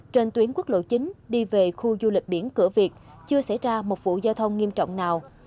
trên tuyến quốc lộ chín đi về khu du lịch biển cửa việt chưa xảy ra một vụ giao thông nghiêm trọng nào